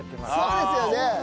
そうですよね。